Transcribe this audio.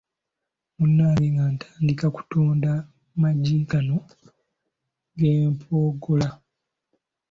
Munnange nga ntandika kutunda magi gano ag'empogola.